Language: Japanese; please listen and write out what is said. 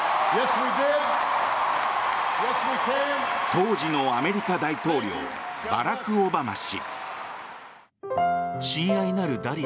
当時のアメリカ大統領バラク・オバマ氏。